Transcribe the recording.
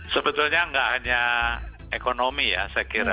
sebetulnya nggak hanya ekonomi ya saya kira